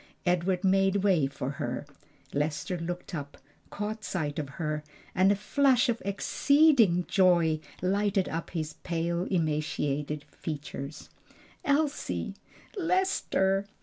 Edward made way for her. Lester looked up, caught sight of her, and a flash of exceeding joy lighted up his pale, emaciated features. "Elsie!" "Lester!"